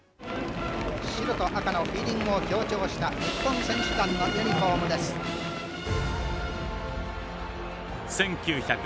白と赤のフィーリングを強調した日本選手団のユニフォームです。